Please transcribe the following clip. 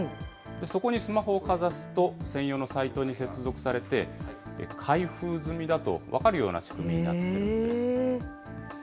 そこにスマホをかざすと、専用のサイトに接続されて、開封済みだと分かるような仕組みになってるんです。